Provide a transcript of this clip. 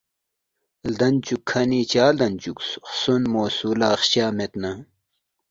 لدن چوک کھنی چا لدن چوکس خسونمو سولا خشا مید نہ